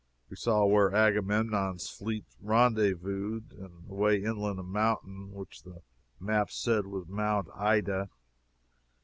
We saw where Agamemnon's fleets rendezvoused, and away inland a mountain which the map said was Mount Ida.